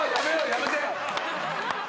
やめて。